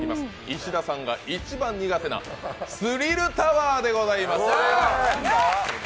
石田さんが一番苦手なスリルタワーでございます。